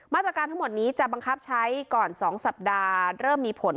มาตรการทั้งหมดนี้จะบังคับใช้ก่อน๒สัปดาห์เริ่มมีผล